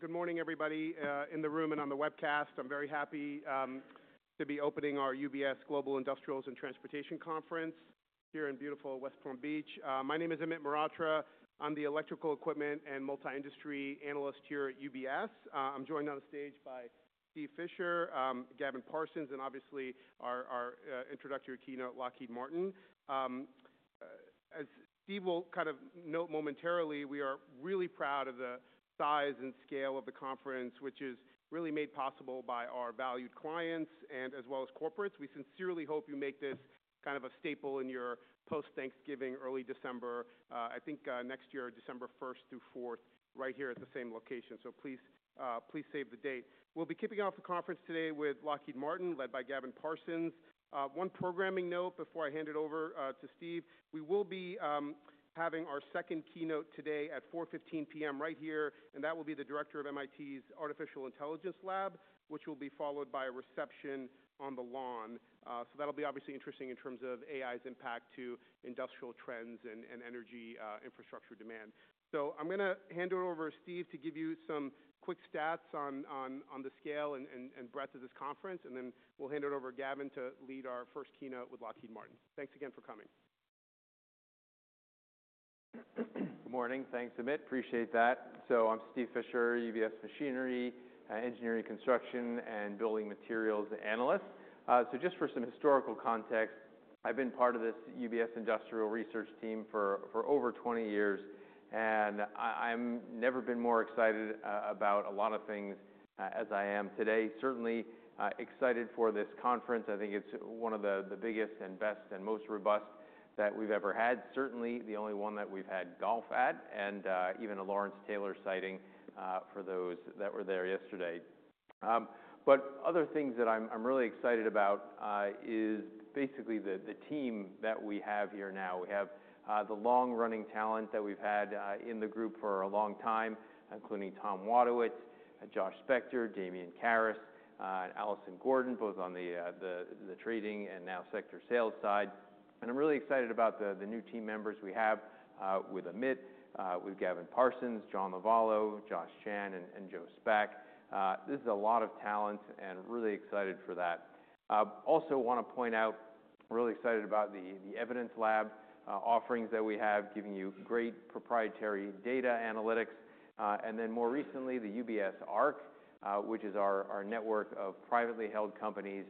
Good morning, everybody, in the room and on the webcast. I'm very happy to be opening our UBS Global Industrials and Transportation Conference here in beautiful West Palm Beach. My name is Amit Mehrotra. I'm the Electrical Equipment and Multi-Industry Analyst here at UBS. I'm joined on the stage by Steve Fisher, Gavin Parsons, and obviously our introductory keynote, Lockheed Martin. As Steve will kind of note momentarily, we are really proud of the size and scale of the conference, which is really made possible by our valued clients and as well as corporates. We sincerely hope you make this kind of a staple in your post-Thanksgiving, early December, I think, next year, December 1st through 4th, right here at the same location. So please, please save the date. We'll be kicking off the conference today with Lockheed Martin, led by Gavin Parsons. One programming note before I hand it over to Steve. We will be having our second keynote today at 4:15 P.M. right here, and that will be the director of MIT's Artificial Intelligence Lab, which will be followed by a reception on the lawn. That'll be obviously interesting in terms of AI's impact to industrial trends and energy infrastructure demand. I'm gonna hand it over to Steve to give you some quick stats on the scale and breadth of this conference, and then we'll hand it over to Gavin to lead our first keynote with Lockheed Martin. Thanks again for coming. Good morning. Thanks, Amit. Appreciate that. So I'm Steve Fisher, UBS Machinery, Engineering Construction and Building Materials Analyst. So just for some historical context, I've been part of this UBS industrial research team for over 20 years, and I'm never been more excited about a lot of things as I am today. Certainly excited for this conference. I think it's one of the biggest and best and most robust that we've ever had, certainly the only one that we've had golf at, and even a Lawrence Taylor sighting for those that were there yesterday. But other things that I'm really excited about is basically the team that we have here now. We have the long-running talent that we've had in the group for a long time, including Tom Wadewitz, Josh Spector, Damian Karas, and Allison Gordon, both on the trading and now sector sales side. I'm really excited about the new team members we have, with Amit, with Gavin Parsons, John Lovallo, Josh Chan, and Joe Spak. This is a lot of talent, and really excited for that. Also wanna point out, really excited about the Evidence Lab offerings that we have, giving you great proprietary data analytics, and then more recently, the UBS ARC, which is our network of privately held companies,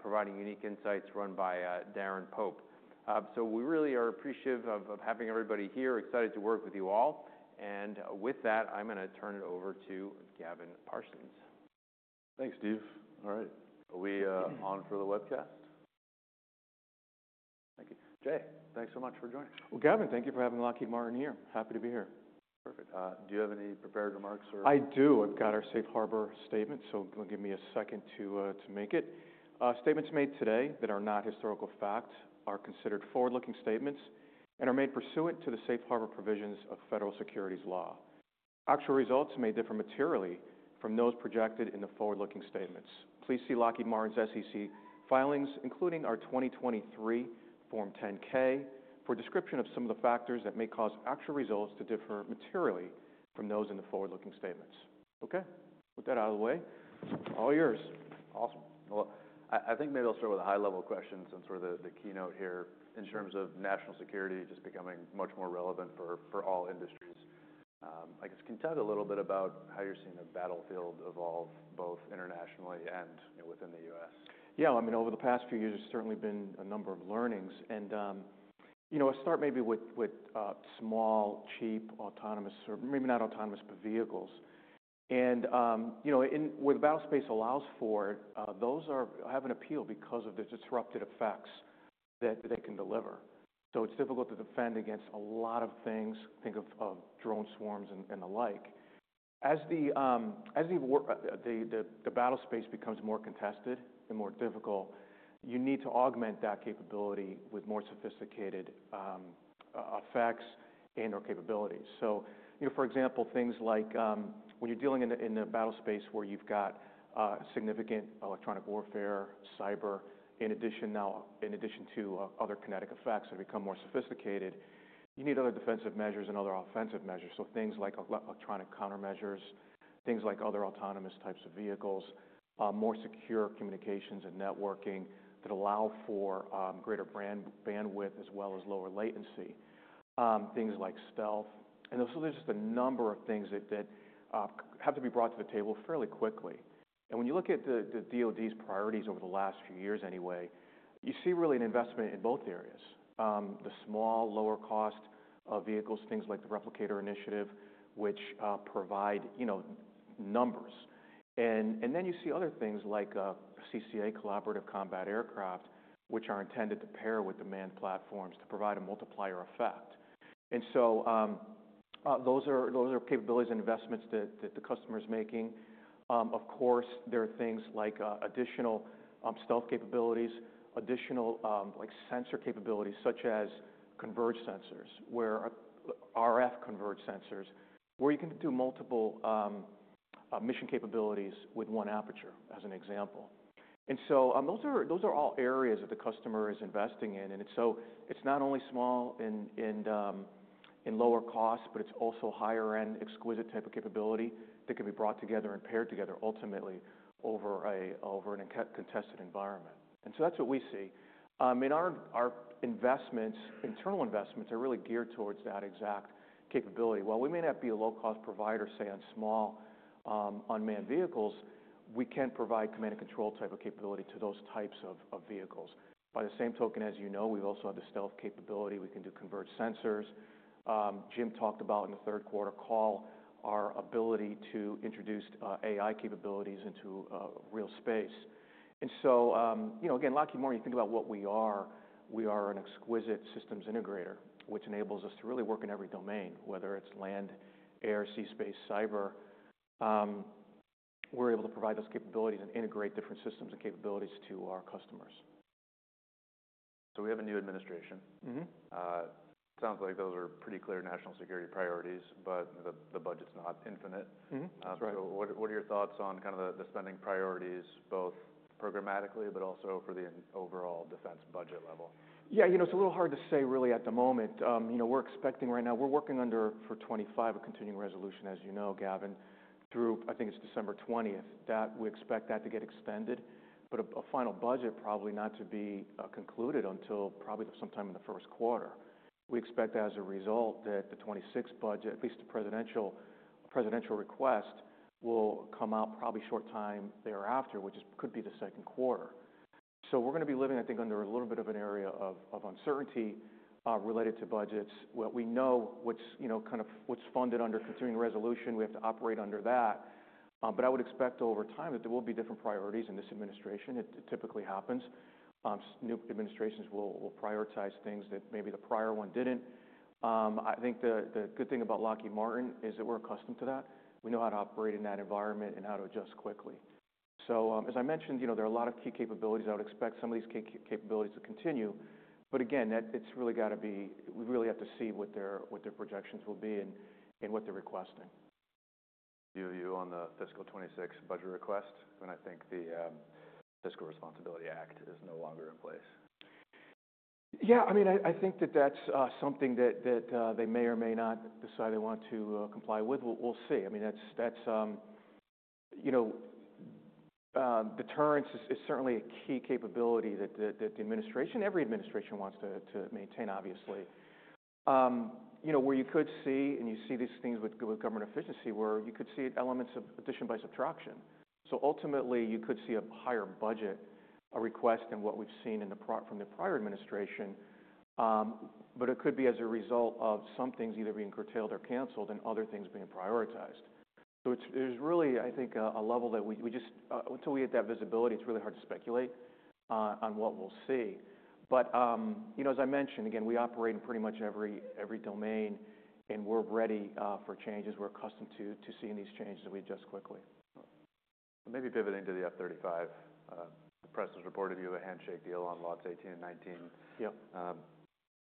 providing unique insights run by Darren Pope. We really are appreciative of having everybody here, excited to work with you all. With that, I'm gonna turn it over to Gavin Parsons. Thanks, Steve. All right. Are we on for the webcast? Thank you. Hey, thanks so much for joining. Gavin, thank you for having Lockheed Martin here. Happy to be here. Perfect. Do you have any prepared remarks or? I do. I've got our Safe Harbor statement, so give me a second to make it. Statements made today that are not historical facts are considered forward-looking statements and are made pursuant to the Safe Harbor provisions of federal securities law. Actual results may differ materially from those projected in the forward-looking statements. Please see Lockheed Martin's SEC filings, including our 2023 Form 10-K, for a description of some of the factors that may cause actual results to differ materially from those in the forward-looking statements. Okay. With that out of the way, all yours. Awesome. Well, I think maybe I'll start with a high-level question since we're the keynote here in terms of national security just becoming much more relevant for all industries. I guess, can you talk a little bit about how you're seeing the battlefield evolve both internationally and, you know, within the U.S.? Yeah. I mean, over the past few years, there's certainly been a number of learnings. And, you know, I'll start maybe with small, cheap, autonomous or maybe not autonomous, but vehicles. And, you know, in where the battlespace allows for, those have an appeal because of the disruptive effects that they can deliver. So it's difficult to defend against a lot of things. Think of drone swarms and the like. As the battlespace becomes more contested and more difficult, you need to augment that capability with more sophisticated effects and/or capabilities. So, you know, for example, things like, when you're dealing in a battlespace where you've got significant electronic warfare, cyber, in addition to other kinetic effects that have become more sophisticated, you need other defensive measures and other offensive measures. Things like electronic countermeasures, things like other autonomous types of vehicles, more secure communications and networking that allow for greater bandwidth as well as lower latency, things like stealth. And so there's just a number of things that have to be brought to the table fairly quickly. And when you look at the DoD's priorities over the last few years anyway, you see really an investment in both areas, the small, lower-cost vehicles, things like the Replicator Initiative, which provide you know numbers. And then you see other things like CCA Collaborative Combat Aircraft, which are intended to pair with manned platforms to provide a multiplier effect. And so those are capabilities and investments that the customer's making. Of course, there are things like additional stealth capabilities, additional like sensor capabilities such as converged sensors where RF converged sensors, where you can do multiple mission capabilities with one aperture, as an example. Those are all areas that the customer is investing in. It's not only small and lower cost, but it's also higher-end exquisite type of capability that can be brought together and paired together ultimately over a contested environment. That's what we see. Our internal investments are really geared towards that exact capability. While we may not be a low-cost provider, say, on small unmanned vehicles, we can provide command-and-control type of capability to those types of vehicles. By the same token, as you know, we've also had the stealth capability. We can do converged sensors. Jim talked about in the third-quarter call our ability to introduce AI capabilities into real space. And so, you know, again, Lockheed Martin, you think about what we are. We are an exquisite systems integrator, which enables us to really work in every domain, whether it's land, air, sea, space, cyber. We're able to provide those capabilities and integrate different systems and capabilities to our customers. So we have a new administration. Mm-hmm. Sounds like those are pretty clear national security priorities, but the budget's not infinite. Mm-hmm. That's right. So what are your thoughts on kind of the spending priorities, both programmatically but also for the overall defense budget level? Yeah. You know, it's a little hard to say really at the moment. You know, we're expecting right now, we're working under for 2025, a continuing resolution, as you know, Gavin, through, I think it's December 20th, that we expect that to get extended, but a final budget probably not to be concluded until probably sometime in the first quarter. We expect as a result that the 2026 budget, at least the presidential, presidential request, will come out probably short time thereafter, which is could be the second quarter. So we're gonna be living, I think, under a little bit of an area of uncertainty, related to budgets. What we know, what's, you know, kind of what's funded under continuing resolution, we have to operate under that. But I would expect over time that there will be different priorities in this administration. It, it typically happens. New administrations will prioritize things that maybe the prior one didn't. I think the good thing about Lockheed Martin is that we're accustomed to that. We know how to operate in that environment and how to adjust quickly. So, as I mentioned, you know, there are a lot of key capabilities. I would expect some of these key capabilities to continue. But again, that it's really gotta be, we really have to see what their projections will be and what they're requesting. Do you on the fiscal 2026 budget request when I think the Fiscal Responsibility Act is no longer in place? Yeah. I mean, I think that that's something that they may or may not decide they want to comply with. We'll see. I mean, that's you know, deterrence is certainly a key capability that the administration, every administration wants to maintain, obviously. You know, where you could see, and you see these things with government efficiency, where you could see elements of addition by subtraction. So ultimately, you could see a higher budget request than what we've seen in the prior from the prior administration. But it could be as a result of some things either being curtailed or canceled and other things being prioritized. So it's there's really I think a level that we just until we get that visibility, it's really hard to speculate on what we'll see. You know, as I mentioned, again, we operate in pretty much every domain, and we're ready for changes. We're accustomed to seeing these changes, and we adjust quickly. Maybe pivoting to the F-35, the press has reported you have a handshake deal on Lots 18 and 19. Yep.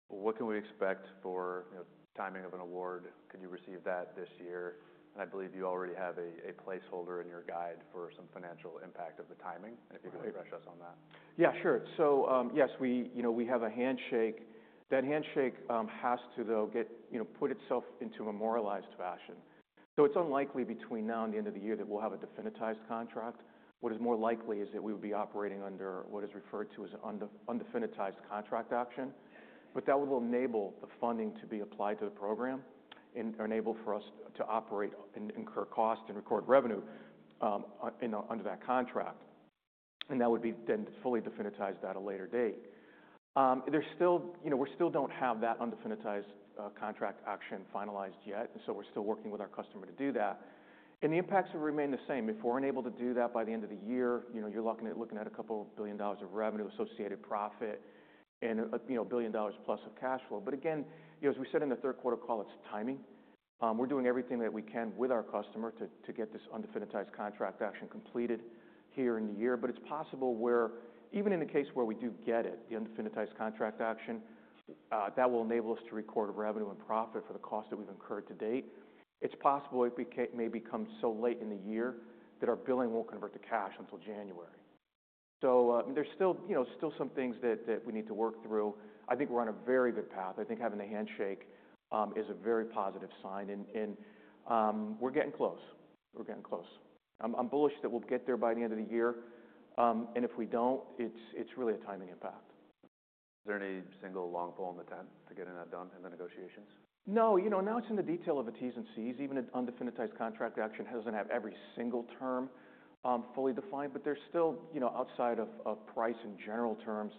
What can we expect for, you know, timing of an award? Could you receive that this year? And I believe you already have a placeholder in your guide for some financial impact of the timing. Right. If you could refresh us on that. Yeah. Sure. So, yes, we, you know, we have a handshake. That handshake has to, though, get, you know, put itself into a memorialized fashion. So it's unlikely between now and the end of the year that we'll have a definitized contract. What is more likely is that we would be operating under what is referred to as an undefinitized contract action, but that will enable the funding to be applied to the program and enable for us to operate and incur cost and record revenue, in, under that contract. And that would be then fully definitized at a later date. There's still, you know, we still don't have that undefinitized contract action finalized yet, and so we're still working with our customer to do that. And the impacts will remain the same. If we're unable to do that by the end of the year, you know, you're looking at a couple of billion dollars of revenue, associated profit, and, you know, a billion dollars plus of cash flow. But again, you know, as we said in the third-quarter call, it's timing. We're doing everything that we can with our customer to get this undefinitized contract action completed here in the year. But it's possible where, even in the case where we do get it, the undefinitized contract action, that will enable us to record revenue and profit for the cost that we've incurred to date. It's possible it may become so late in the year that our billing won't convert to cash until January. So, I mean, there's still, you know, some things that we need to work through. I think we're on a very good path. I think having the handshake is a very positive sign. And we're getting close. I'm bullish that we'll get there by the end of the year. And if we don't, it's really a timing impact. Is there any single long pole in the tent to getting that done in the negotiations? No. You know, now it's in the detail of the T's and C's. Even an undefinitized contract action doesn't have every single term, fully defined, but there's still, you know, outside of price and general terms,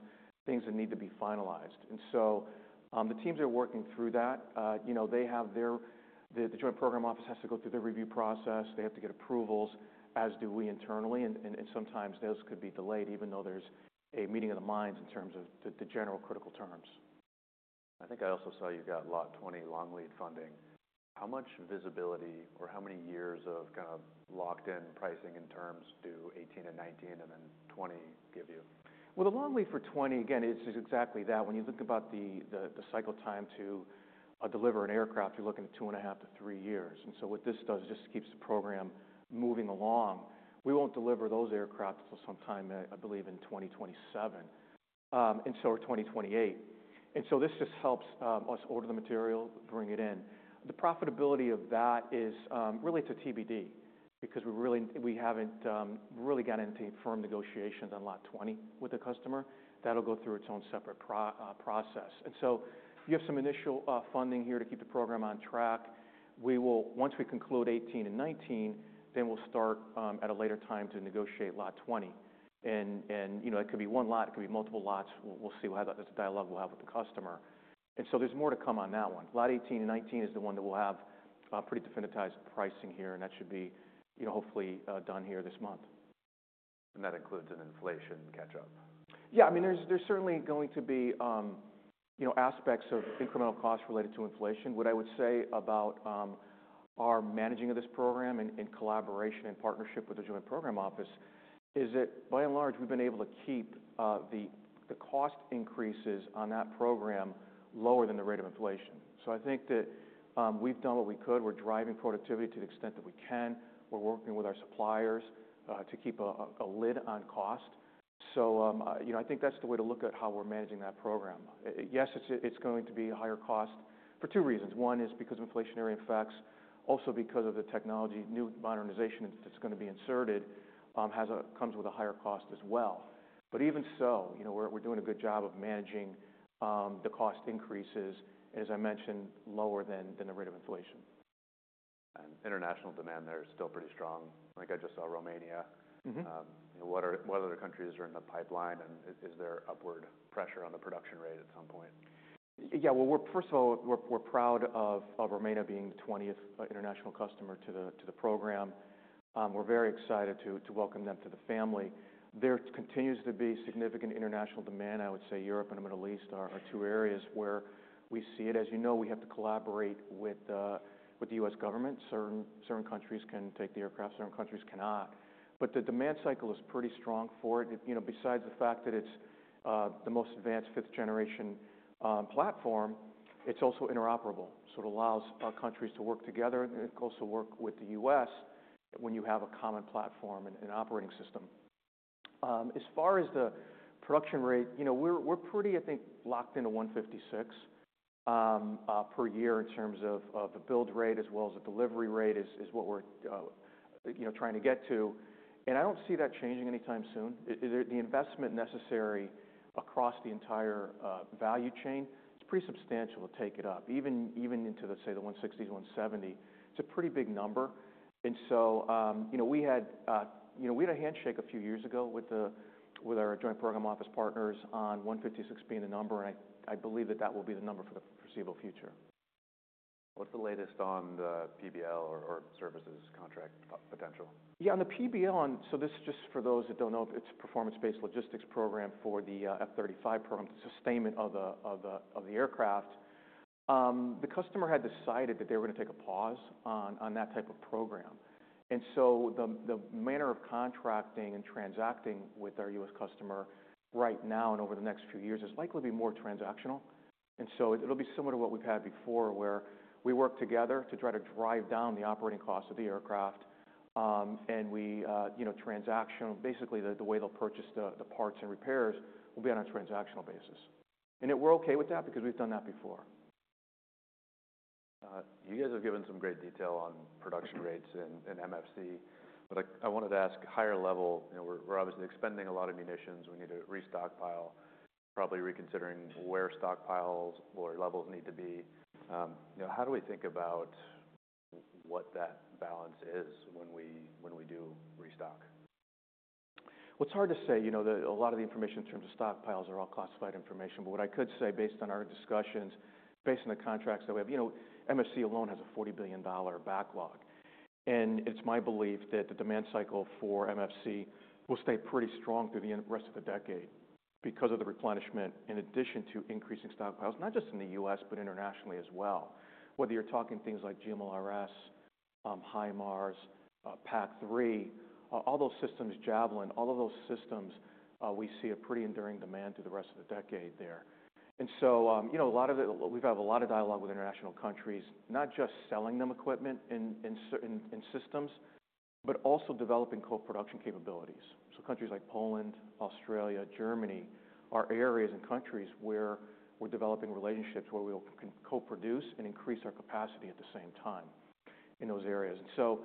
things that need to be finalized. And so, the teams are working through that. You know, they have their, the Joint Program Office has to go through the review process. They have to get approvals, as do we internally. And sometimes those could be delayed even though there's a meeting of the minds in terms of the general critical terms. I think I also saw you got Lot 20 long lead funding. How much visibility or how many years of kind of locked-in pricing and terms do 18 and 19 and then 20 give you? The long lead for 20, again, it's exactly that. When you think about the cycle time to deliver an aircraft, you're looking at two and a half to three years. And so what this does just keeps the program moving along. We won't deliver those aircraft until sometime, I believe in 2027, and so 2028. And so this just helps us order the material, bring it in. The profitability of that is really to TBD because we really haven't really gotten into firm negotiations on Lot 20 with the customer. That'll go through its own separate process. And so you have some initial funding here to keep the program on track. We will, once we conclude 18 and 19, then we'll start at a later time to negotiate Lot 20. And you know, it could be one lot. It could be multiple lots. We'll see what that is. That's the dialogue we'll have with the customer. So there's more to come on that one. Lot 18 and 19 is the one that we'll have pretty definitized pricing here, and that should be, you know, hopefully, done here this month. That includes an inflation catch-up. Yeah. I mean, there's certainly going to be, you know, aspects of incremental costs related to inflation. What I would say about our managing of this program and collaboration and partnership with the Joint Program Office is that by and large, we've been able to keep the cost increases on that program lower than the rate of inflation. So I think that we've done what we could. We're driving productivity to the extent that we can. We're working with our suppliers to keep a lid on cost. So, you know, I think that's the way to look at how we're managing that program. Yes, it's going to be a higher cost for two reasons. One is because of inflationary effects. Also, because of the technology new modernization that's gonna be inserted has a comes with a higher cost as well. But even so, you know, we're doing a good job of managing the cost increases, as I mentioned, lower than the rate of inflation. International demand there is still pretty strong. Like I just saw Romania. Mm-hmm. You know, what other countries are in the pipeline, and is there upward pressure on the production rate at some point? Yeah. Well, we're first of all proud of Romania being the 20th international customer to the program. We're very excited to welcome them to the family. There continues to be significant international demand. I would say Europe and the Middle East are two areas where we see it. As you know, we have to collaborate with the U.S. government. Certain countries can take the aircraft. Certain countries cannot. But the demand cycle is pretty strong for it. You know, besides the fact that it's the most advanced fifth-generation platform, it's also interoperable. So it allows our countries to work together, and it also works with the U.S. when you have a common platform and operating system. As far as the production rate, you know, we're pretty, I think, locked into 156 per year in terms of the build rate as well as the delivery rate is what we're, you know, trying to get to, and I don't see that changing anytime soon. It, the investment necessary across the entire value chain, it's pretty substantial to take it up, even into, let's say, the 160-170. It's a pretty big number. And so, you know, we had a handshake a few years ago with our Joint Program Office partners on 156 being the number, and I believe that that will be the number for the foreseeable future. What's the latest on the PBL or services contract potential? Yeah. On the PBL, and so this is just for those that don't know, it's a performance-based logistics program for the F-35 program, the sustainment of the aircraft. The customer had decided that they were gonna take a pause on that type of program, and so the manner of contracting and transacting with our U.S. customer right now and over the next few years is likely to be more transactional. It'll be similar to what we've had before where we work together to try to drive down the operating cost of the aircraft, and we, you know, transactional. Basically the way they'll purchase the parts and repairs will be on a transactional basis. We're okay with that because we've done that before. You guys have given some great detail on production rates and MFC, but I wanted to ask higher level, you know, we're obviously expending a lot of munitions. We need to restockpile, probably reconsidering where stockpiles or levels need to be. You know, how do we think about what that balance is when we do restock? It's hard to say. You know, a lot of the information in terms of stockpiles are all classified information. But what I could say based on our discussions, based on the contracts that we have, you know, MFC alone has a $40 billion backlog, and it's my belief that the demand cycle for MFC will stay pretty strong through the rest of the decade because of the replenishment in addition to increasing stockpiles, not just in the U.S., but internationally as well. Whether you're talking things like GMLRS, HIMARS, PAC-3, all those systems, Javelin, all of those systems, we see a pretty enduring demand through the rest of the decade there, and so, you know, a lot of the, we've had a lot of dialogue with international countries, not just selling them equipment in, in certain, in systems, but also developing co-production capabilities. So countries like Poland, Australia, Germany are areas and countries where we're developing relationships where we'll co-coproduce and increase our capacity at the same time in those areas. And so,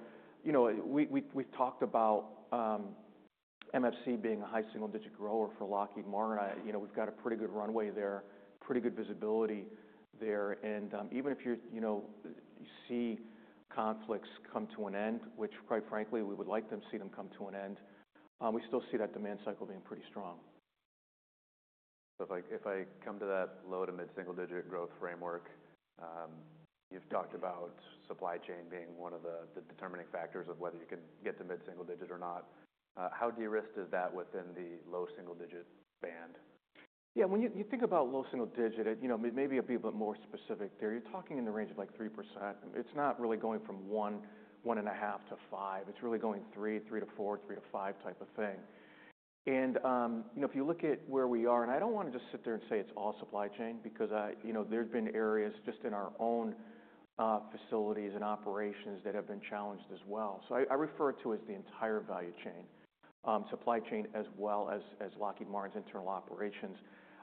you know, we've talked about MFC being a high single-digit grower for Lockheed Martin. You know, we've got a pretty good runway there, pretty good visibility there. And even if you, you know, you see conflicts come to an end, which quite frankly, we would like to see them come to an end, we still see that demand cycle being pretty strong. If I come to that low- to mid-single-digit growth framework, you've talked about supply chain being one of the determining factors of whether you can get to mid-single-digit or not. How de-risked is that within the low single-digit band? Yeah. When you think about low single-digit, you know, maybe it'd be a bit more specific there. You're talking in the range of like 3%. It's not really going from one, one-and-a-half to five. It's really going three to four, three to five type of thing. And, you know, if you look at where we are, and I don't wanna just sit there and say it's all supply chain because, you know, there've been areas just in our own facilities and operations that have been challenged as well. So I refer to it as the entire value chain, supply chain as well as Lockheed Martin's internal operations.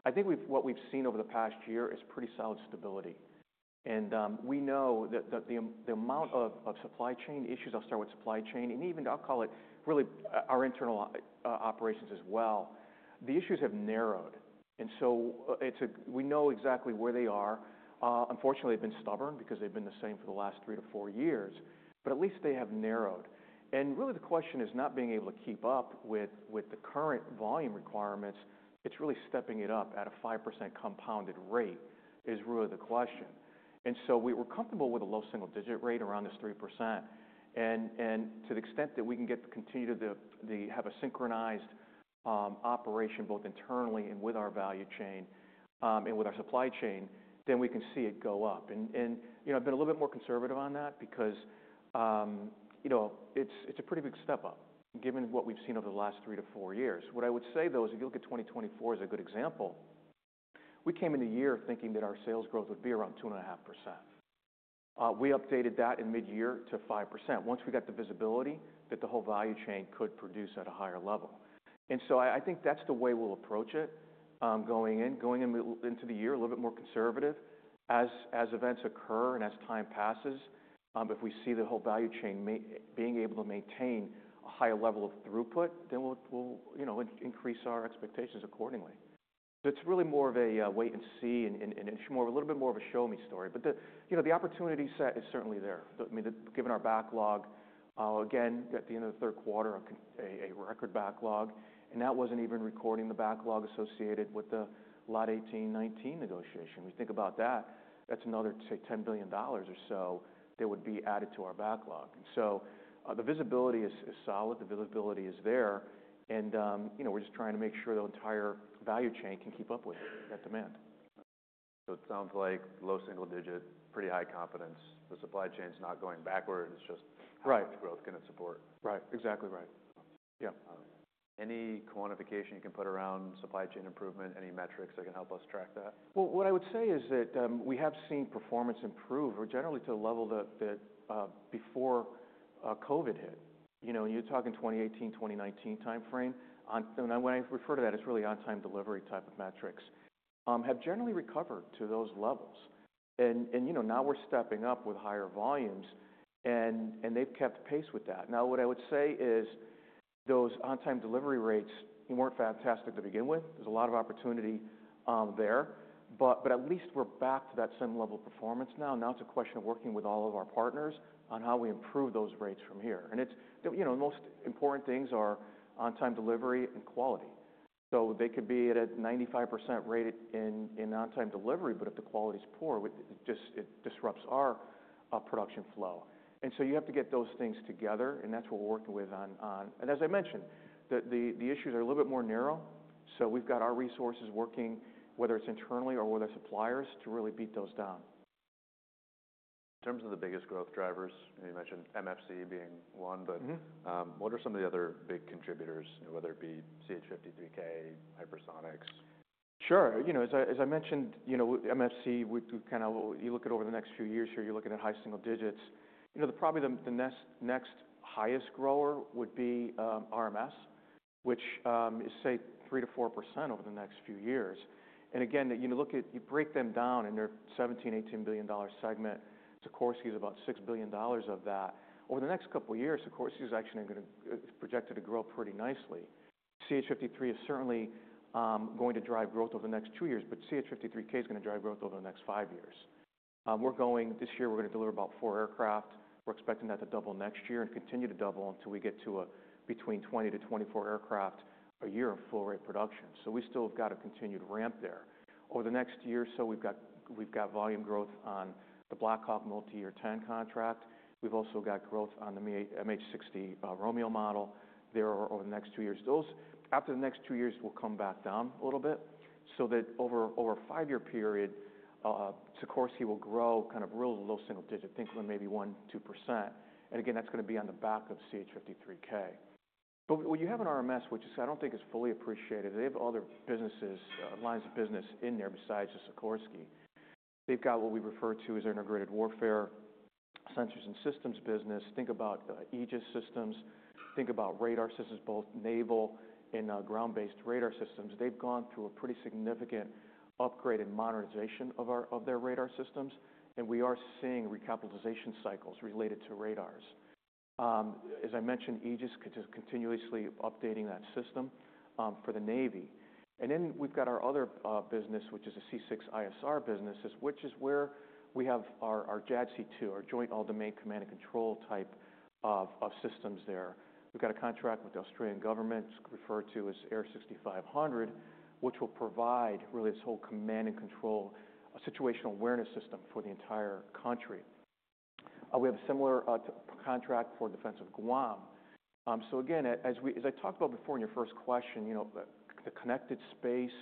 I think what we've seen over the past year is pretty solid stability. We know that the amount of supply chain issues, I'll start with supply chain, and even I'll call it really our internal operations as well, have narrowed. So we know exactly where they are. Unfortunately, they've been stubborn because they've been the same for the last three to four years, but at least they have narrowed. Really the question is not being able to keep up with the current volume requirements. It's really stepping it up at a 5% compounded rate is really the question. We were comfortable with a low single-digit rate around this 3%. To the extent that we can continue to have a synchronized operation both internally and with our value chain and with our supply chain, then we can see it go up. You know, I've been a little bit more conservative on that because, you know, it's a pretty big step up given what we've seen over the last three to four years. What I would say, though, is if you look at 2024 as a good example, we came into the year thinking that our sales growth would be around 2.5%. We updated that in mid-year to 5% once we got the visibility that the whole value chain could produce at a higher level. So I think that's the way we'll approach it, going into the year a little bit more conservative as events occur and as time passes. If we see the whole value chain manufacturing being able to maintain a higher level of throughput, then we'll, you know, increase our expectations accordingly. It's really more of a wait-and-see, and it's a little bit more of a show-me story. But you know, the opportunity set is certainly there. I mean, given our backlog, again, at the end of the third quarter, a record backlog, and that wasn't even including the backlog associated with the Lot 18, 19 negotiation. We think about that, that's another, say, $10 billion or so that would be added to our backlog. And so, the visibility is solid. The visibility is there. And you know, we're just trying to make sure the entire value chain can keep up with that demand. So it sounds like low single-digit, pretty high confidence. The supply chain's not going backward. It's just. Right. How much growth can it support? Right. Exactly right. Yeah. Any quantification you can put around supply chain improvement, any metrics that can help us track that? What I would say is that we have seen performance improve generally to a level that before COVID hit. You know, you're talking 2018, 2019 timeframe. And when I refer to that, it's really on-time delivery type of metrics have generally recovered to those levels. And you know, now we're stepping up with higher volumes, and they've kept pace with that. Now, what I would say is those on-time delivery rates weren't fantastic to begin with. There's a lot of opportunity there. But at least we're back to that same level of performance now. Now it's a question of working with all of our partners on how we improve those rates from here. And it's you know, the most important things are on-time delivery and quality. So they could be at a 95% rate in on-time delivery, but if the quality's poor, it disrupts our production flow. And so you have to get those things together, and that's what we're working on. And as I mentioned, the issues are a little bit more narrow. So we've got our resources working, whether it's internally or with our suppliers, to really beat those down. In terms of the biggest growth drivers, you mentioned MFC being one, but. Mm-hmm. What are some of the other big contributors, you know, whether it be CH-53K, hypersonics? Sure. You know, as I mentioned, you know, MFC, we do kind of, you look at over the next few years here, you're looking at high single digits. You know, probably the next highest grower would be RMS, which is say 3%-4% over the next few years. And again, you know, look at, you break them down in their $17 billion-$18 billion segment. Sikorsky's about $6 billion of that. Over the next couple of years, Sikorsky's actually gonna projected to grow pretty nicely. CH-53 is certainly going to drive growth over the next two years, but CH-53K's gonna drive growth over the next five years. This year, we're gonna deliver about four aircraft. We're expecting that to double next year and continue to double until we get to between 20-24 aircraft a year of full rate production. So we still have got a continued ramp there. Over the next year or so, we've got, we've got volume growth on the Black Hawk Multi-Year X contract. We've also got growth on the MH-60 Romeo model there over the next two years. Those, after the next two years, will come back down a little bit. So that over a five-year period, Sikorsky will grow kind of real low single digit, think maybe 1-2%. And again, that's gonna be on the back of CH-53K. But what you have in RMS, which is, I don't think is fully appreciated, they have other businesses, lines of business in there besides the Sikorsky. They've got what we refer to as our Integrated Warfare Sensors and Systems business. Think about Aegis systems. Think about radar systems, both naval and ground-based radar systems. They've gone through a pretty significant upgrade and modernization of our, of their radar systems. And we are seeing recapitalization cycles related to radars. As I mentioned, Aegis continuously updating that system for the Navy. And then we've got our other business, which is a C6ISR business, which is where we have our JADC2, our Joint All-Domain Command and Control type of systems there. We've got a contract with the Australian government, referred to as AIR6500, which will provide really this whole command and control situational awareness system for the entire country. We have a similar contract for defense of Guam. So again, as I talked about before in your first question, you know, the connected space,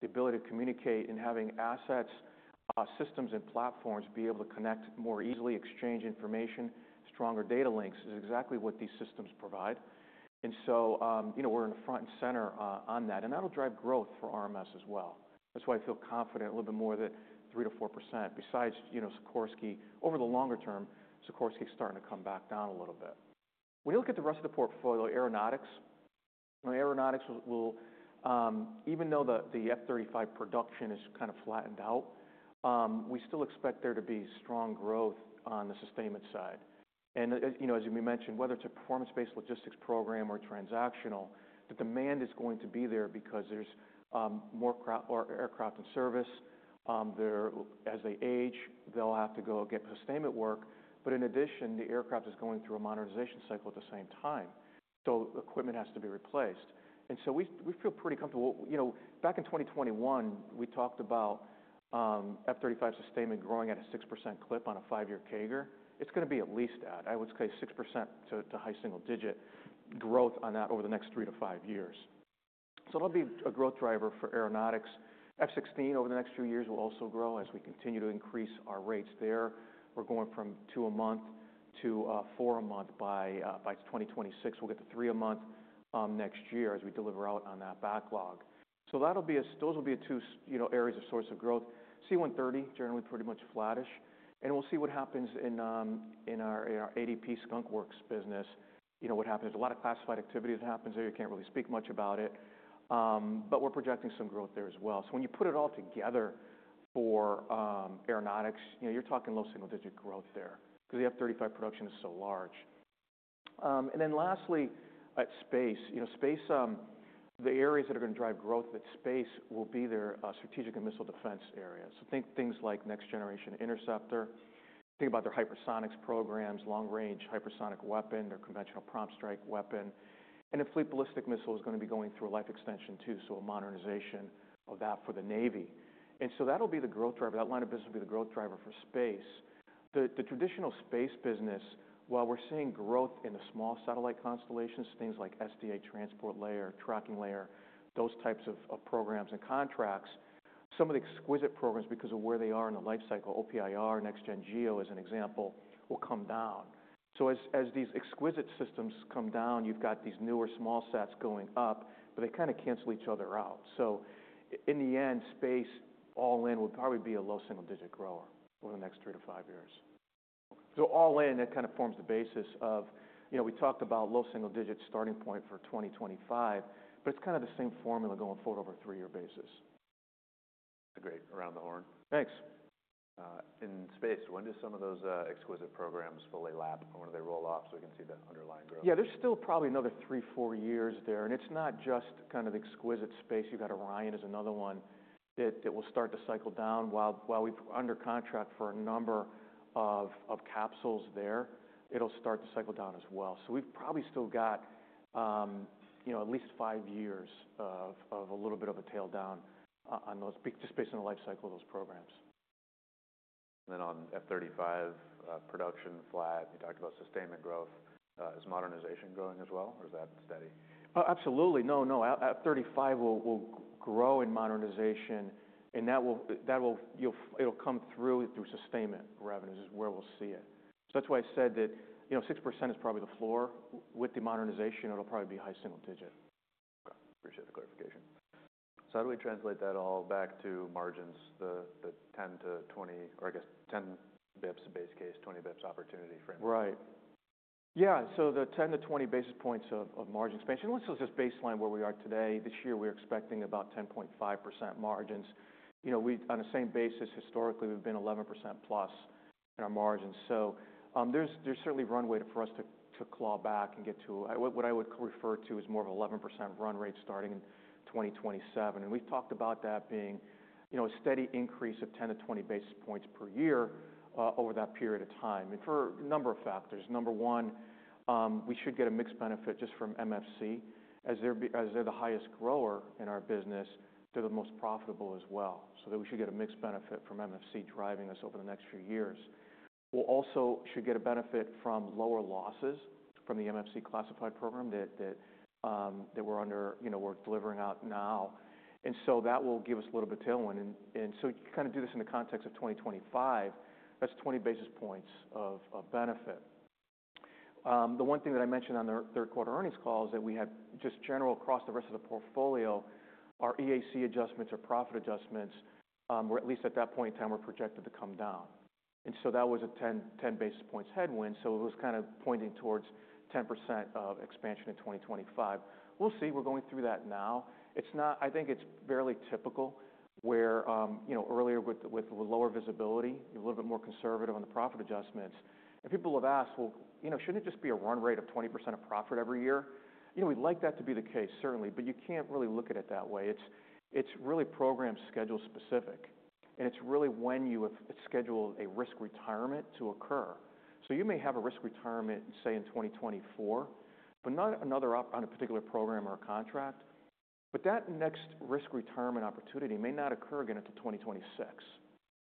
the ability to communicate and having assets, systems and platforms be able to connect more easily, exchange information, stronger data links is exactly what these systems provide. We're in the front and center on that. You know, that'll drive growth for RMS as well. That's why I feel confident a little bit more that 3%-4% besides, you know, Sikorsky, over the longer term. Sikorsky's starting to come back down a little bit. When you look at the rest of the portfolio, Aeronautics, you know, Aeronautics will, even though the F-35 production is kind of flattened out, we still expect there to be strong growth on the sustainment side. You know, as we mentioned, whether it's a performance-based logistics program or transactional, the demand is going to be there because there's more aircraft in service. They're as they age, they'll have to go get sustainment work. In addition, the aircraft is going through a modernization cycle at the same time. Equipment has to be replaced. And so we feel pretty comfortable. You know, back in 2021, we talked about F-35 sustainment growing at a 6% clip on a five-year CAGR. It's gonna be at least, I would say, 6% to high single digit growth on that over the next three to five years. So that'll be a growth driver for Aeronautics. F-16 over the next few years will also grow as we continue to increase our rates there. We're going from two a month to four a month by 2026. We'll get to three a month next year as we deliver out on that backlog. So that'll be the two, you know, areas of source of growth. C-130 generally pretty much flattish. And we'll see what happens in our ADP Skunk Works business. You know, what happens? There's a lot of classified activity that happens there. You can't really speak much about it. But we're projecting some growth there as well. So when you put it all together for Aeronautics, you know, you're talking low single digit growth there 'cause the F-35 production is so large. And then lastly, at Space, you know, Space, the areas that are gonna drive growth that Space will be their strategic and missile defense area. So think things like Next Generation Interceptor. Think about their hypersonics programs, Long-Range Hypersonic Weapon, their Conventional Prompt Strike weapon. And then Fleet Ballistic Missile is gonna be going through a life extension too, so a modernization of that for the Navy. And so that'll be the growth driver. That line of business will be the growth driver for Space. The traditional space business, while we're seeing growth in the small satellite constellations, things like SDA Transport Layer, Tracking Layer, those types of programs and contracts, some of the exquisite programs because of where they are in the life cycle, OPIR, NextGen Geo as an example, will come down, so as these exquisite systems come down, you've got these newer small sats going up, but they kind of cancel each other out, so in the end, space all in would probably be a low single digit grower over the next three to five years, so all in, it kind of forms the basis of, you know, we talked about low single digit starting point for 2025, but it's kind of the same formula going forward over a three-year basis. That's a great round the horn. Thanks. In space, when do some of those exquisite programs fully lap? When do they roll off so we can see the underlying growth? Yeah. There's still probably another three, four years there. And it's not just kind of the exquisite space. You've got Orion as another one that will start to cycle down while we've under contract for a number of capsules there. It'll start to cycle down as well. So we've probably still got, you know, at least five years of a little bit of a tail down on those just based on the life cycle of those programs. And then on F-35, production flat. You talked about sustainment growth. Is modernization growing as well, or is that steady? Absolutely. No, no. At 35, we'll grow in modernization, and that will. It'll come through sustainment revenues is where we'll see it. So that's why I said that, you know, 6% is probably the floor. With the modernization, it'll probably be high single digit. Okay. Appreciate the clarification. So how do we translate that all back to margins, the 10 to 20, or I guess 10 bps base case, 20 bps opportunity framework? Right. Yeah. So the 10-20 basis points of margin expansion, let's just baseline where we are today. This year, we're expecting about 10.5% margins. You know, we on the same basis, historically, we've been 11%+ in our margins. So, there's certainly runway for us to claw back and get to what I would refer to as more of a 11% run rate starting in 2027. And we've talked about that being, you know, a steady increase of 10-20 basis points per year, over that period of time. And for a number of factors. Number one, we should get a mixed benefit just from MFC as they're the highest grower in our business. They're the most profitable as well. So that we should get a mixed benefit from MFC driving us over the next few years. We'll also should get a benefit from lower losses from the MFC classified program that we're under, you know, we're delivering out now. And so that will give us a little bit of tailwind. And so you kind of do this in the context of 2025. That's 20 basis points of benefit. The one thing that I mentioned on the third quarter earnings call is that we have just general across the rest of the portfolio, our EAC adjustments or profit adjustments, we're at least at that point in time, we're projected to come down. And so that was a 10 basis points headwind. So it was kind of pointing towards 10% of expansion in 2025. We'll see. We're going through that now. It's not. I think it's fairly typical where, you know, earlier with lower visibility, you're a little bit more conservative on the profit adjustments. People have asked, well, you know, shouldn't it just be a run rate of 20% of profit every year? You know, we'd like that to be the case, certainly, but you can't really look at it that way. It's really program schedule specific. It's really when you have scheduled a risk retirement to occur. So you may have a risk retirement, say, in 2024, but not another one on a particular program or a contract. That next risk retirement opportunity may not occur again until 2026.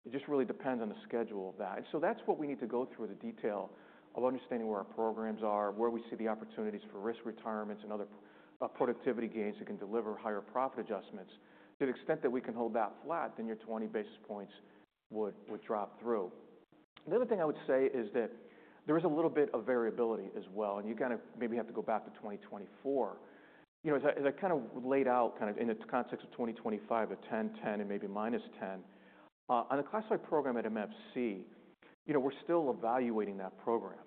It just really depends on the schedule of that. That's what we need to go through the detail of understanding where our programs are, where we see the opportunities for risk retirements and other productivity gains that can deliver higher profit adjustments. To the extent that we can hold that flat, then your 20 basis points would drop through. The other thing I would say is that there is a little bit of variability as well. You kind of maybe have to go back to 2024. You know, as I kind of laid out kind of in the context of 2025, the 10, 10, and maybe -10, on the classified program at MFC, you know, we're still evaluating that program.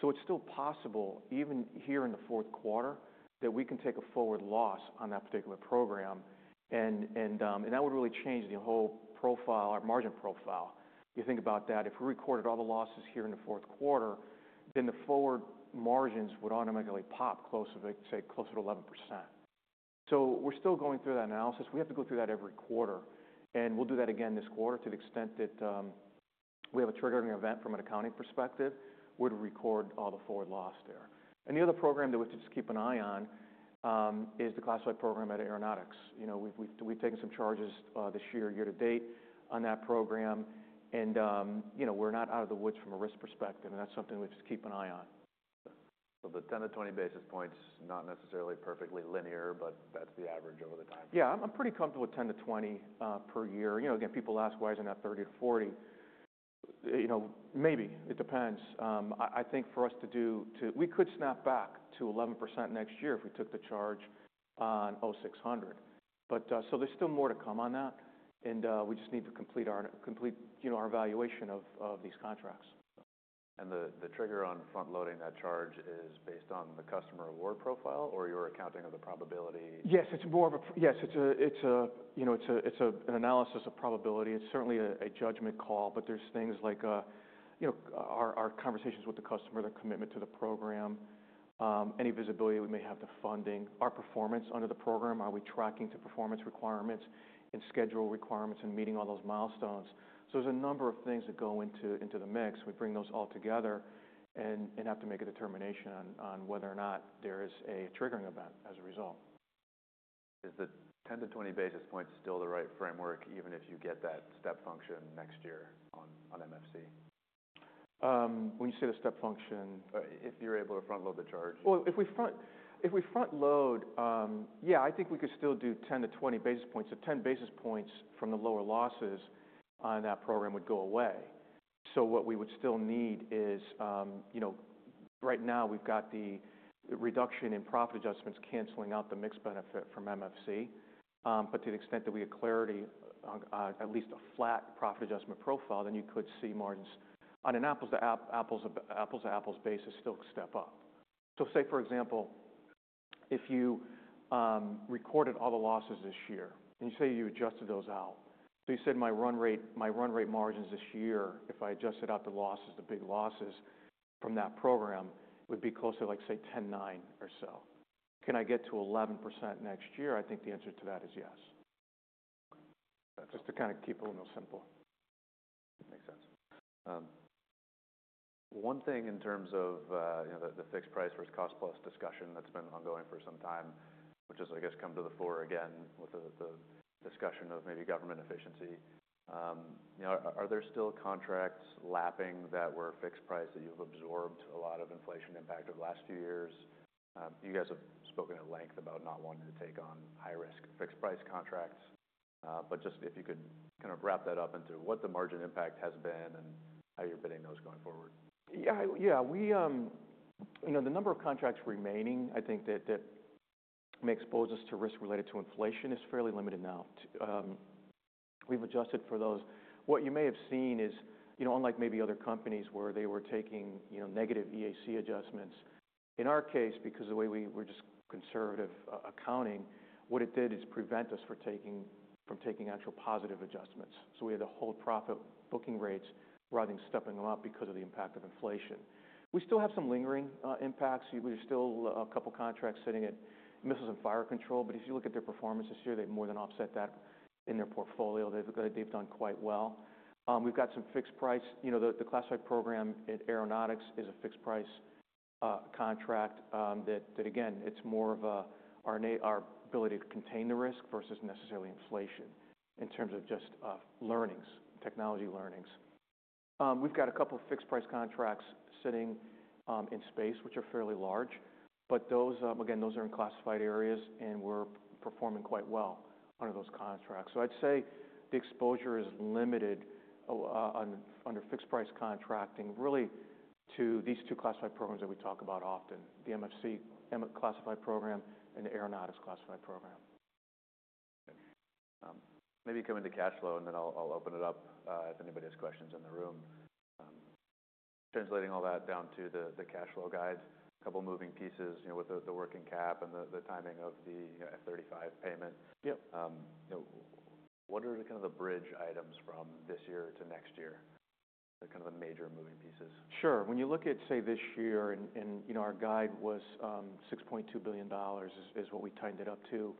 So it's still possible, even here in the fourth quarter, that we can take a forward loss on that particular program. And that would really change the whole profile, our margin profile. You think about that. If we recorded all the losses here in the fourth quarter, then the forward margins would automatically pop closer to, say, closer to 11%. So we're still going through that analysis. We have to go through that every quarter. And we'll do that again this quarter to the extent that we have a triggering event from an accounting perspective, we'd record all the forward loss there. And the other program that we have to just keep an eye on is the classified program at Aeronautics. You know, we've taken some charges this year, year-to-date on that program. And you know, we're not out of the woods from a risk perspective. And that's something we have to just keep an eye on. So the 10-20 basis points, not necessarily perfectly linear, but that's the average over the time? Yeah. I'm pretty comfortable with 10-20 per year. You know, again, people ask, why isn't that 30-40? You know, maybe. It depends. I think for us to do to we could snap back to 11% next year if we took the charge on all 600. But, so there's still more to come on that. We just need to complete our, you know, our evaluation of these contracts. The trigger on front-loading that charge is based on the customer award profile or your accounting of the probability? Yes. It's more of an analysis of probability, you know. It's certainly a judgment call. But there are things like, you know, our conversations with the customer, their commitment to the program, any visibility we may have to funding, our performance under the program. Are we tracking to performance requirements and schedule requirements and meeting all those milestones? So there are a number of things that go into the mix. We bring those all together and have to make a determination on whether or not there is a triggering event as a result. Is the 10-20 basis points still the right framework even if you get that step function next year on MFC? When you say the step function, if you're able to front-load the charge? Well, if we front, if we front-load, yeah, I think we could still do 10 to 20 basis points. So 10 basis points from the lower losses on that program would go away. So what we would still need is, you know, right now we've got the reduction in profit adjustments canceling out the mixed benefit from MFC. But to the extent that we have clarity on, at least a flat profit adjustment profile, then you could see margins on an apples to apples to apples basis still step up. So say, for example, if you recorded all the losses this year and you say you adjusted those out. You said my run rate, my run rate margins this year. If I adjusted out the losses, the big losses from that program would be closer to like, say, 10.9% or so. Can I get to 11% next year? I think the answer to that is yes. Just to kind of keep it a little simple. Makes sense. One thing in terms of, you know, the fixed price versus cost plus discussion that's been ongoing for some time, which has, I guess, come to the fore again with the discussion of maybe government efficiency. You know, are there still contracts lapping that were fixed price that you've absorbed a lot of inflation impact over the last few years? You guys have spoken at length about not wanting to take on high-risk fixed price contracts. But just if you could kind of wrap that up into what the margin impact has been and how you're bidding those going forward. Yeah. Yeah. We, you know, the number of contracts remaining, I think that may expose us to risk related to inflation is fairly limited now. We've adjusted for those. What you may have seen is, you know, unlike maybe other companies where they were taking, you know, negative EAC adjustments, in our case, because of the way we're just conservative accounting, what it did is prevent us from taking actual positive adjustments. So we had to hold profit booking rates rather than stepping them up because of the impact of inflation. We still have some lingering impacts. We're still a couple contracts sitting at Missiles and Fire Control. But if you look at their performance this year, they've more than offset that in their portfolio. They've done quite well. We've got some fixed price. You know, the classified program at Aeronautics is a fixed price contract. That again, it's more of our ability to contain the risk versus necessarily inflation in terms of just learnings, technology learnings. We've got a couple of fixed price contracts sitting in space, which are fairly large. But those again are in classified areas, and we're performing quite well under those contracts. So I'd say the exposure is limited under fixed price contracting really to these two classified programs that we talk about often, the MFC classified program and the Aeronautics classified program. Okay, maybe come into cash flow, and then I'll open it up if anybody has questions in the room. Translating all that down to the cash flow guide, a couple moving pieces, you know, with the working cap and the timing of the F-35 payment. Yep. You know, what are kind of the bridge items from this year to next year? They're kind of the major moving pieces. Sure. When you look at, say, this year, and you know, our guide was $6.2 billion, is what we timed it up to,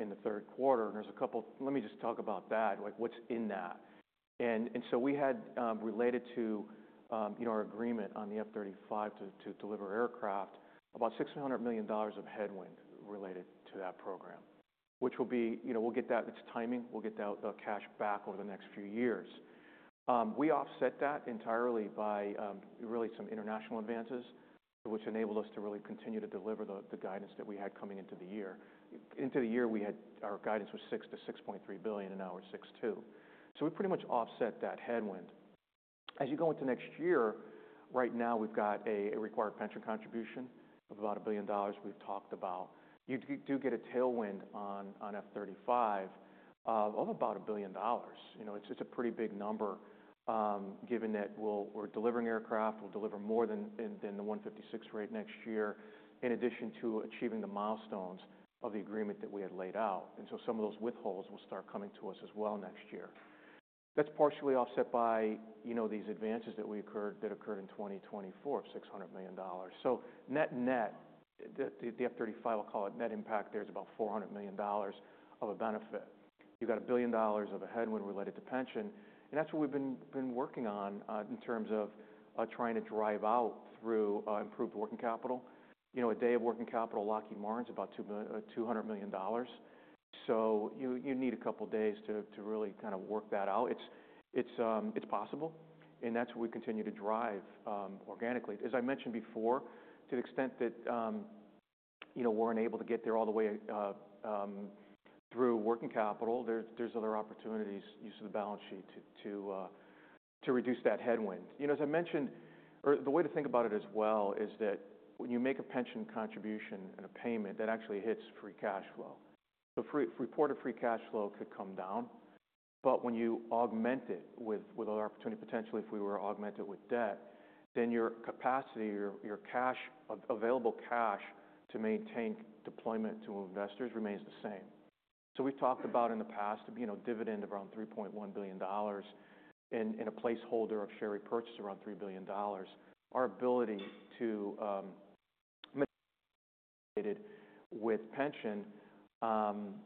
in the third quarter. And there's a couple. Let me just talk about that. Like, what's in that? And so we had, related to, you know, our agreement on the F-35 to deliver aircraft, about $600 million of headwind related to that program, which will be, you know, we'll get that. It's timing. We'll get that cash back over the next few years. We offset that entirely by really some international advances, which enabled us to really continue to deliver the guidance that we had coming into the year. Into the year, we had our guidance was $6 billion-$6.3 billion in our $6.2 billion. So we pretty much offset that headwind. As you go into next year, right now we've got a required pension contribution of about $1 billion we've talked about. You do get a tailwind on F-35 of about $1 billion. You know, it's a pretty big number, given that we're delivering aircraft, we'll deliver more than the 156 rate next year, in addition to achieving the milestones of the agreement that we had laid out. And so some of those withholds will start coming to us as well next year. That's partially offset by, you know, these advances that occurred in 2024 of $600 million. So net-net, the F-35, I'll call it net impact, there's about $400 million of a benefit. You've got $1 billion of a headwind related to pension. And that's what we've been working on, in terms of trying to drive out through improved working capital. You know, a day of working capital Lockheed Martin's about $200 million. So you need a couple days to really kind of work that out. It's possible. And that's what we continue to drive, organically. As I mentioned before, to the extent that, you know, we're unable to get there all the way through working capital, there's other opportunities, use of the balance sheet to reduce that headwind. You know, as I mentioned, or the way to think about it as well is that when you make a pension contribution and a payment, that actually hits free cash flow. So reported free cash flow could come down. But when you augment it with other opportunity potentially, if we were to augment it with debt, then your capacity, your cash, available cash to maintain deployment to investors remains the same. So we've talked about in the past, you know, dividend of around $3.1 billion and a placeholder of share repurchase around $3 billion. Our ability to, with pension,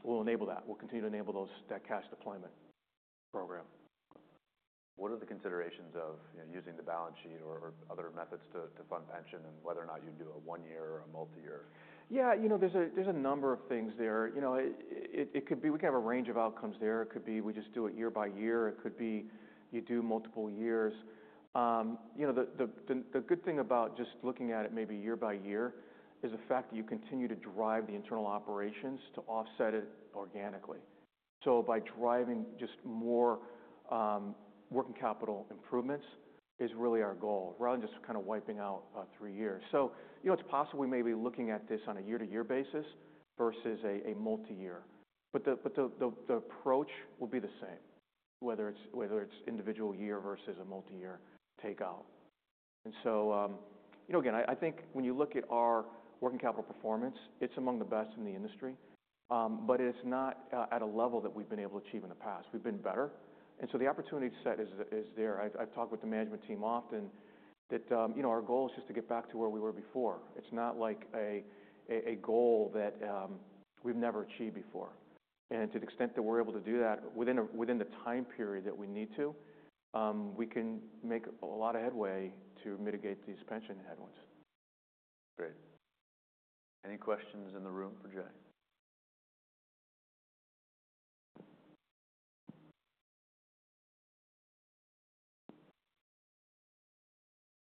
will enable that. We'll continue to enable that cash deployment program. What are the considerations of, you know, using the balance sheet or other methods to fund pension and whether or not you do a one-year or a multi-year? Yeah. You know, there's a number of things there. You know, it could be we could have a range of outcomes there. It could be we just do it year by year. It could be you do multiple years. You know, the good thing about just looking at it maybe year by year is the fact that you continue to drive the internal operations to offset it organically. So by driving just more working capital improvements is really our goal rather than just kind of wiping out three years. So, you know, it's possible we may be looking at this on a year-to-year basis versus a multi-year. But the approach will be the same, whether it's individual year versus a multi-year takeout. You know, again, I think when you look at our working capital performance, it's among the best in the industry, but it's not at a level that we've been able to achieve in the past. We've been better, and the opportunity set is there. I've talked with the management team often that, you know, our goal is just to get back to where we were before. It's not like a goal that we've never achieved before. To the extent that we're able to do that within the time period that we need to, we can make a lot of headway to mitigate these pension headwinds. Great. Any questions in the room for Jay?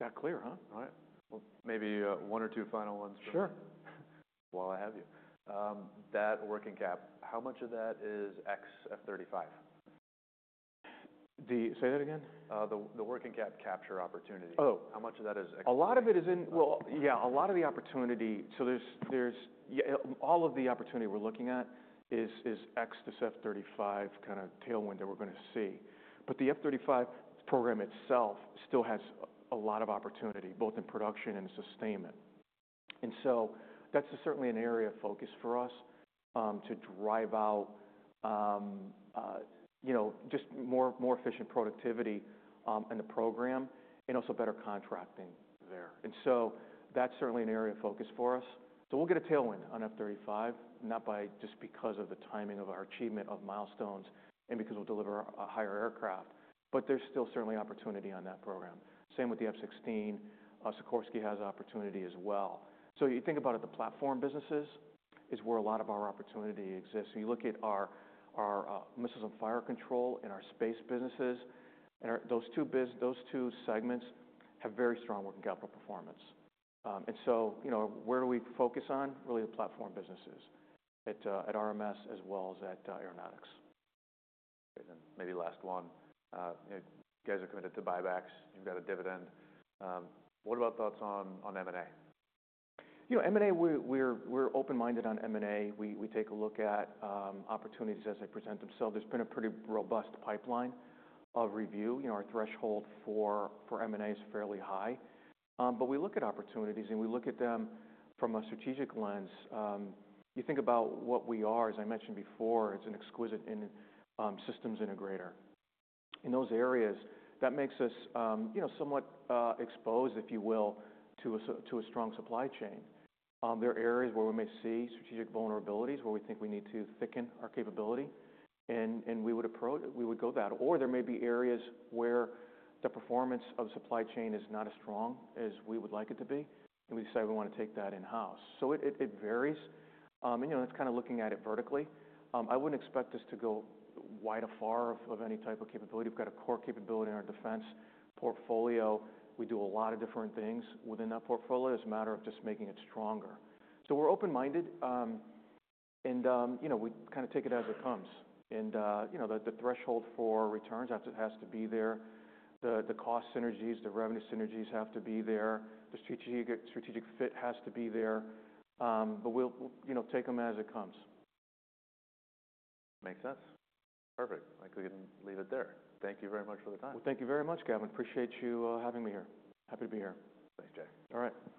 Not clear, huh? All right. Well, maybe one or two final ones for. Sure. While I have you, that working cap, how much of that is ex F-35? Say that again? The working capital capture opportunity. Oh. How much of that is ex F-35? A lot of it is in, well, yeah, a lot of the opportunity. There's yeah, all of the opportunity we're looking at is ex this F-35 kind of tailwind that we're going to see. But the F-35 program itself still has a lot of opportunity, both in production and sustainment. That's certainly an area of focus for us, to drive out, you know, just more efficient productivity in the program and also better contracting there. That's certainly an area of focus for us. We'll get a tailwind on F-35, not by just because of the timing of our achievement of milestones and because we'll deliver a higher aircraft. There's still certainly opportunity on that program. Same with the F-16. Sikorsky has opportunity as well. You think about it, the platform businesses is where a lot of our opportunity exists. When you look at our missiles and fire control and our space businesses, and those two segments have very strong working capital performance. And so, you know, where do we focus on? Really the platform businesses at RMS as well as at Aeronautics. Great. And maybe last one, you guys are committed to buybacks. You've got a dividend. What about thoughts on M&A? You know, M&A, we're open-minded on M&A. We take a look at opportunities as they present themselves. There's been a pretty robust pipeline of review. You know, our threshold for M&A is fairly high, but we look at opportunities and we look at them from a strategic lens. You think about what we are, as I mentioned before. It's an exquisite systems integrator. In those areas that makes us, you know, somewhat exposed, if you will, to a strong supply chain. There are areas where we may see strategic vulnerabilities where we think we need to thicken our capability, and we would approach that. Or there may be areas where the performance of supply chain is not as strong as we would like it to be, and we decide we want to take that in-house. It varies. You know, that's kind of looking at it vertically. I wouldn't expect us to go wide afar of any type of capability. We've got a core capability in our defense portfolio. We do a lot of different things within that portfolio. It's a matter of just making it stronger. We're open-minded. You know, we kind of take it as it comes. You know, the threshold for returns has to be there. The cost synergies, the revenue synergies have to be there. The strategic fit has to be there. But we'll, you know, take them as it comes. Makes sense. Perfect. I think we can leave it there. Thank you very much for the time. Thank you very much, Gavin. Appreciate you having me here. Happy to be here. Thanks, Jay. All right.